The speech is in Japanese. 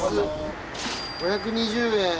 ５２０円